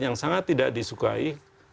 yang sangat tidak disukai